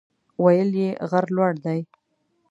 ویل یې غر لوړ دی.